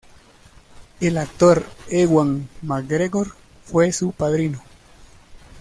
El actor Ewan McGregor fue su padrino.